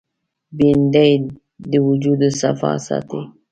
بېنډۍ د وجود صفا ساتي